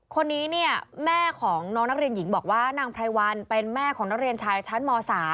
คนนี้เนี่ยแม่ของน้องนักเรียนหญิงบอกว่านางไพรวัลเป็นแม่ของนักเรียนชายชั้นม๓